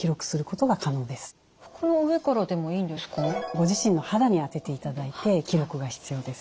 ご自身の肌に当てていただいて記録が必要です。